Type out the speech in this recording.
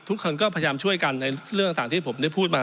ทุกคนก็พยายามช่วยกันในเรื่องต่างที่ผมได้พูดมา